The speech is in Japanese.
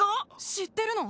知ってるの？